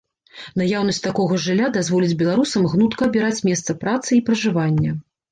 Наяўнасць такога жылля дазволіць беларусам гнутка абіраць месца працы і пражывання.